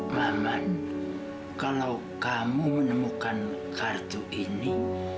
maman kalau kamu menemukan kartu ini